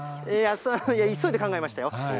急いで考えましたよ。